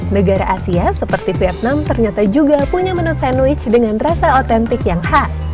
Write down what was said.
negara asia seperti vietnam ternyata juga punya menu sandwich dengan rasa otentik yang khas